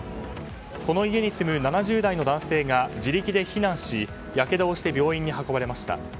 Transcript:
この家に住む７０代の男性が自力で避難しやけどをして病院に運ばれました。